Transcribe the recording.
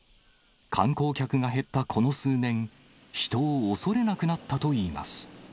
観光客が減ったこの数年、人を恐れなくなったといいます。